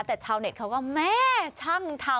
แต่ชาวเน็ตเขาก็แม่ช่างทำ